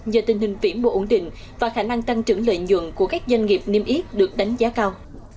do tình hình vĩ mô ổn định và khả năng tăng trưởng lợi nhuận của các doanh nghiệp niêm yết được đánh giá cao